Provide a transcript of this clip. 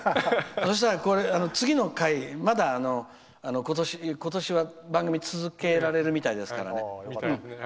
そしたら次の回まだ今年は番組が続けられるみたいですから。